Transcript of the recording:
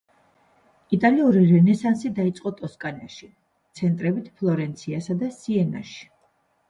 იტალიური რენესანსი დაიწყო ტოსკანაში, ცენტრებით ფლორენციასა და სიენაში.